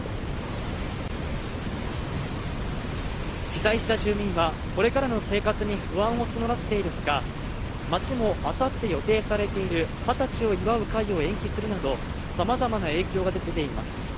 被災した住民はこれからの生活に不安を募らせているほか町もあさって予定されている二十歳を祝う会を延期するなどさまざまな影響が出ています